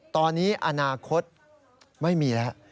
ตอนนี้อนาคตไม่มีแล้ว